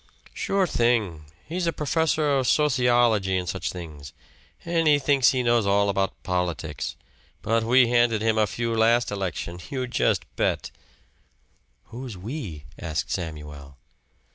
"Sure thing! He's a professor of sociology an' such things, an' he thinks he knows all about politics. But we handed him a few last election just you bet!" "Who's 'we'?" asked Samuel.